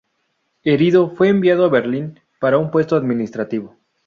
Herido, fue enviado a Berlín para un puesto administrativo.